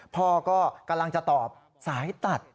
พ่อก็กำลังจะตอบสายตัด